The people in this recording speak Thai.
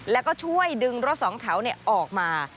แล้วก็ช่วยดึงรถสองแถวออกมา